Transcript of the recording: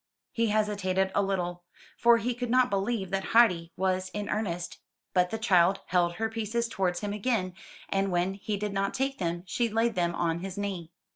He hesitated a little, for he could not believe that Heidi was in earnest; but the child held her pieces towards him again, and when he did not take them, she laid them on his knee.